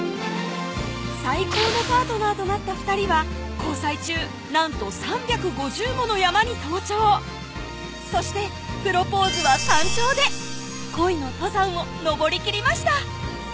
最高のパートナーとなった２人は交際中なんと３５０もの山に登頂そしてプロポーズは山頂で恋の登山を登りきりました